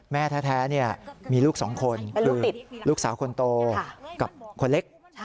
แม่แท้มีลูกสองคนคือลูกสาวคนโตกับคนเล็ก